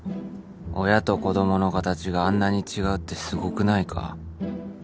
親と子供の形があんなに違うってすごくないか。